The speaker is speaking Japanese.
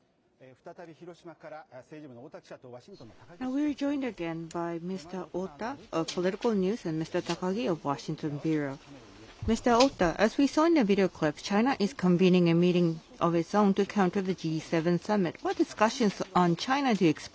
再び、広島から政治部の太田記者とワシントン支局の高木支局長です。